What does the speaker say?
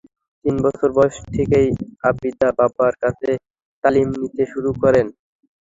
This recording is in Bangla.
তিন বছর বয়স থেকেই আবিদা বাবার কাছে তালিম নিতে শুরু করেন।